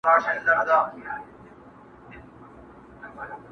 څوك به وژاړي سلګۍ د يتيمانو!